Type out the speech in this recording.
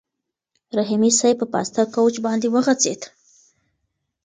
رحیمي صیب په پاسته کوچ باندې وغځېد.